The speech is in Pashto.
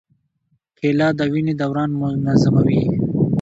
کېله د وینې دوران منظموي.